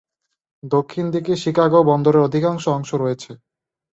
দক্ষিণ দিকে শিকাগো বন্দরের অধিকাংশ অংশ রয়েছে।